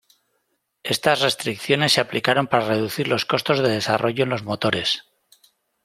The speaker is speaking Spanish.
Estas restricciones se aplicaron para reducir los costos de desarrollo en los motores.